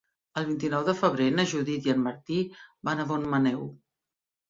El vint-i-nou de febrer na Judit i en Martí van a Montmaneu.